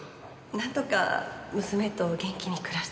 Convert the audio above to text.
なんとか娘と元気に暮らしてます。